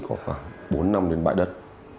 có khoảng bốn năm đến bãi đất